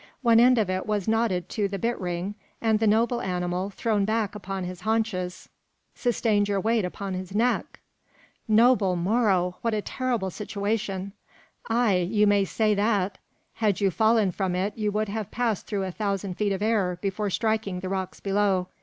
One end of it was knotted to the bit ring, and the noble animal, thrown back upon his haunches, sustained your weight upon his neck!" "Noble Moro! what a terrible situation!" "Ay, you may say that! Had you fallen from it, you would have passed through a thousand feet of air before striking the rocks below.